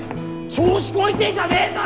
調子こいてんじゃねぞ！